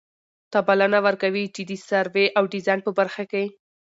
ته بلنه ور کوي چي د سروې او ډيزاين په برخه کي